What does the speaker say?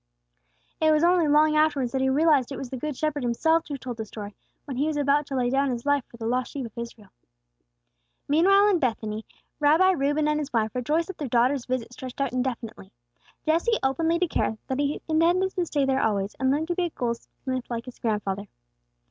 It was only long afterwards that he realized it was the Good Shepherd Himself who told the story, when He was about to lay down His own life for the lost sheep of Israel. Meanwhile in Bethany, Rabbi Reuben and his wife rejoiced that their daughter's visit stretched out indefinitely. Jesse openly declared that he intended to stay there always, and learn to be a goldsmith like his grandfather.